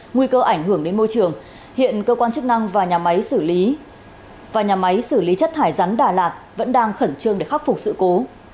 nguy cơ ảnh hưởng đến môi trường hiện cơ quan chức năng và nhà máy xử lý chất thải rắn đà lạt vẫn đang khẩn trương để khắc phục sự cố